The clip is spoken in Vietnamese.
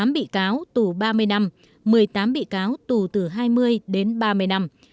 tám bị cáo tù ba mươi năm một mươi tám bị cáo tù từ hai mươi đến ba mươi năm